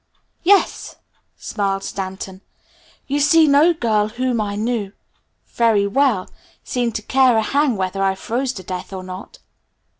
"Yes!" smiled Stanton. "You see no girl whom I knew very well seemed to care a hang whether I froze to death or not."